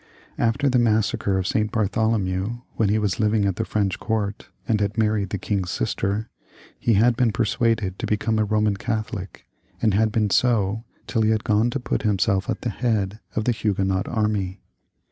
After the massacre of St. Bartholomew, when he was living at the French court, and had married the king's sister, he had been persuaded to become a Boman Catholic, and had been so till he had gone to put himself at the head of the Huguenot army.